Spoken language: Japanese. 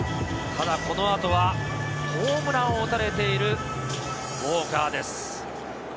ただこの後はホームランを打たれているウォーカーです。